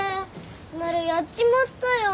なるやっちまったよ。